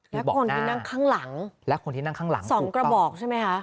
และคนที่นั่งข้างหลังและคนที่นั่งข้างหลังสองกระบอกใช่ไหมคะ